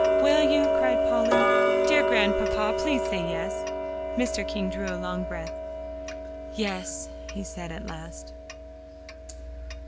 "Will you?" cried Polly. "Dear Grandpapa, please say yes." Mr. King drew a long breath. "Yes," he said at last.